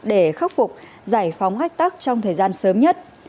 để khắc phục giải phóng ách tắc trong thời gian sớm nhất